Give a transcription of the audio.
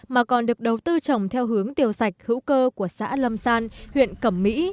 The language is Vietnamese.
mà còn được đầu tư trồng theo hướng tiêu sạch hữu cơ của xã lâm san huyện cẩm mỹ